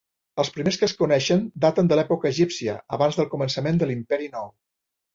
Els primers que es coneixen daten de l'època egípcia, abans del començament de l'Imperi Nou.